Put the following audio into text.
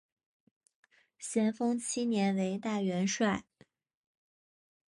咸丰七年为大元帅。